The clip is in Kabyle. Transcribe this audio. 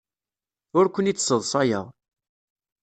Ur ken-id-sseḍsayeɣ.